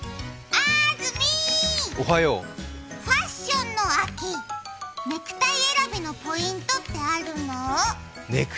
あずみー、ファッションの秋ネクタイ選びのポイントってあるの？